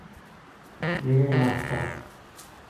میرے ناڑ چل